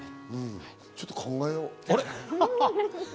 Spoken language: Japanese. ちょっと考えよう。